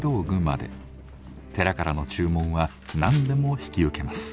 寺からの注文は何でも引き受けます。